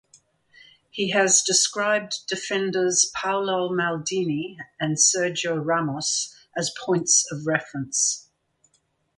He has described defenders Paolo Maldini and Sergio Ramos as points of reference.